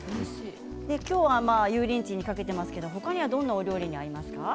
今日は油淋鶏にかけていますが他にはどんなお料理に合いますか。